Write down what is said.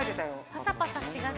「パサパサしがちなのに」